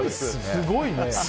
すごいね。